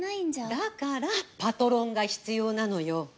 だからパトロンが必要なのよ。